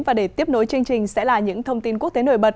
và để tiếp nối chương trình sẽ là những thông tin quốc tế nổi bật